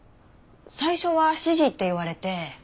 最初は７時って言われて。